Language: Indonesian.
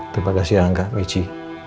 terima kasih ya angga michi